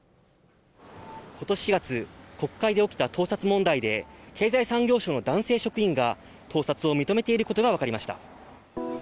ことし４月、国会で起きた盗撮問題で、経済産業省の男性職員が、盗撮を認めていることが分かりました。